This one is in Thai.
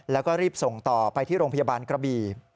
แล้วก็รีบส่งต่อไปที่โรงพยาบาลกระบี่